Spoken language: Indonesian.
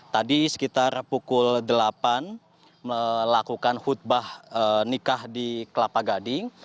tadi sekitar pukul delapan melakukan khutbah nikah di kelapa gading